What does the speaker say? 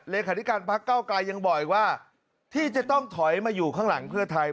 เลขาธิการพักเก้าไกรยังบอกอีกว่าที่จะต้องถอยมาอยู่ข้างหลังเพื่อไทย